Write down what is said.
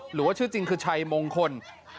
หรือว่าชื่อจริงคือชัยมงคล